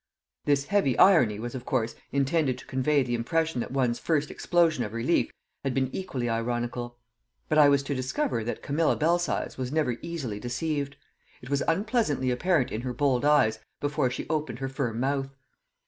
This heavy irony was, of course, intended to convey the impression that one's first explosion of relief had been equally ironical. But I was to discover that Camilla Belsize was never easily deceived; it was unpleasantly apparent in her bold eyes before she opened her firm mouth.